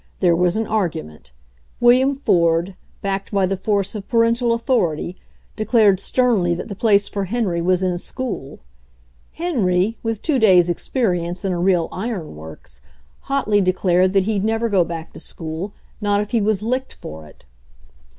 There was an argument. William Ford, backed by the force of parental authority, de clared sternly that the place for Henry was in school. Henry, with two days' experience in a real iron works, hotly declared that he'd never go back to school, not if he was licked for it.